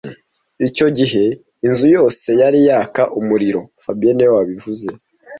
Icyo gihe, inzu yose yari yaka umuriro fabien niwe wabivuze